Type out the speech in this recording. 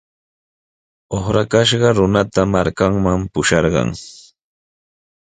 Uqrakashqa runata markanman pusharqan.